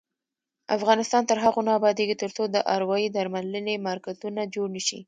افغانستان تر هغو نه ابادیږي، ترڅو د اروايي درملنې مرکزونه جوړ نشي.